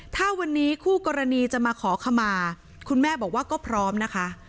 ถ้าวันนี้คู่กรณีจะมาขอขมาคุณแม่บอกว่าก็พร้อมนะคะ